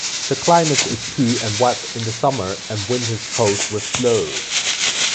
The climate is cool and wet in the summer and winters cold with snow.